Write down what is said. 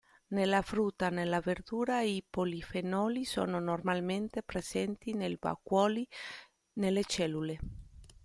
Nella frutta e nella verdura i polifenoli sono normalmente presenti nei vacuoli nelle cellule.